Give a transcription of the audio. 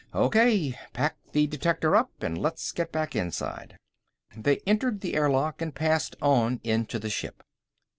Okay, pack the detector up and let's get back inside." They entered the airlock and passed on into the ship.